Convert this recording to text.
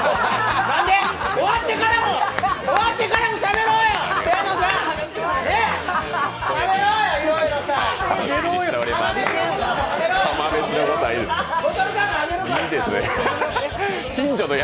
終わってからもしゃべろうや。